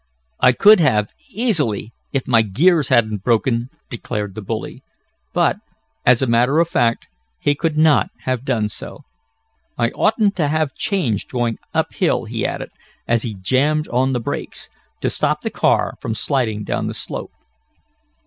"I could have, easily, if my gears hadn't broken," declared the bully, but, as a matter of fact, he could not have done so. "I oughtn't to have changed, going up hill," he added, as he jammed on the brakes, to stop the car from sliding down the slope.